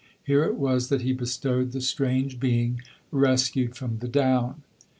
Here it was that he bestowed the strange being rescued from the down.